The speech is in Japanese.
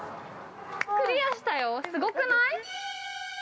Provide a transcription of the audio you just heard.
◆クリアしたよ、すごくない！？